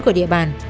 của địa bàn